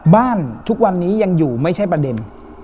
ทุกวันนี้ยังอยู่ไม่ใช่ประเด็น